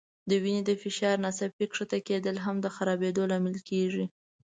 د وینې د فشار ناڅاپي ښکته کېدل هم د خرابېدو لامل کېږي.